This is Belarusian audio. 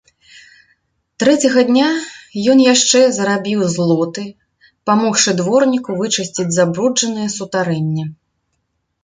Трэцяга дня ён яшчэ зарабіў злоты, памогшы дворніку вычысціць забруджанае сутарэнне.